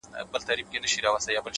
هغه به څرنګه بلا وویني ـ